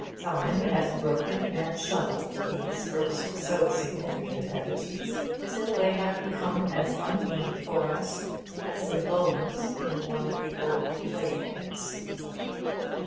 Time has broken and shuffled these erst so significant effigies till they have become as unmeaning for us as the bones in one of the old plague pits.